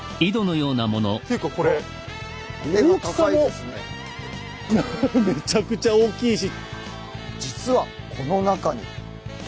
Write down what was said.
ていうかこれ大きさもめちゃくちゃ大きいし。